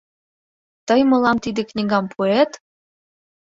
— Тый мылам тиде книгам пуэт?